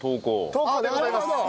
投稿でございます。